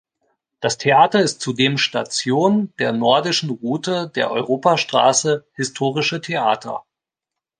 Das Theater ist zudem Station der Nordischen Route der Europastraße Historische Theater.